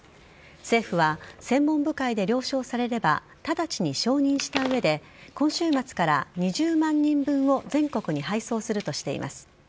政府は専門部会で了承されれば直ちに承認した上で今週末から２０万人分を全国に配送するとしています。